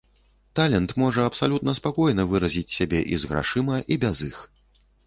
Талент можа абсалютна спакойна выразіць сябе і з грашыма і без іх.